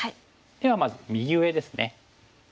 ではまず右上ですね。